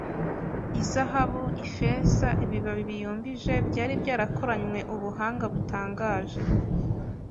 Izahabu, ifeza ibibabi biyumbije byari byarakoranywe ubuhanga butangaje